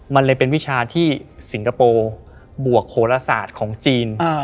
มันเลยเป็นวิชาที่สิงคโปร์บวกโขลศาสตร์ของจีน